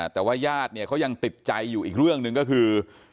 แต่ว่าญาติเนี่ยเขายังติดใจอยู่อีกเรื่องหนึ่งก็คือ